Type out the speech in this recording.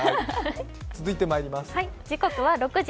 続いてまいります。